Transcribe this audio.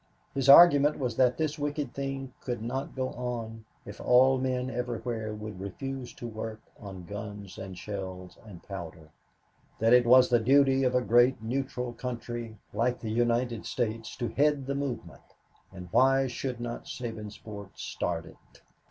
His argument was that this wicked thing could not go on if all men everywhere would refuse to work on guns and shells and powder, that it was the duty of a great neutral country like the United States to head the movement, and why should not Sabinsport start it?